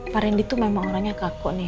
pak rendy tuh memang orangnya kaku nih